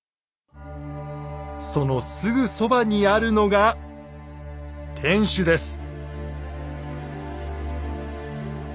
そのすぐそばにあるのが天守です。